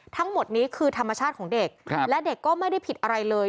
ทั้งหมดนี้คือธรรมชาติของเด็กและเด็กก็ไม่ได้ผิดอะไรเลย